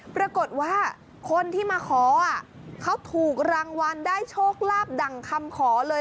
ปรากฏว่าคนที่มาขอเขาถูกรางวัลได้โชคลาภดั่งคำขอเลย